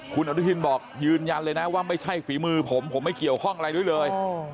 คุณอนุทินบอกยืนยันเลยนะว่าไม่ใช่ฝีมือผมผมไม่เกี่ยวข้องอะไรด้วยเลย